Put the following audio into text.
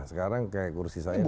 sekarang kayak kursi saya